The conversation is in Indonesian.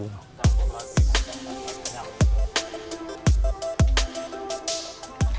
ternyata sudah membuat bible klamme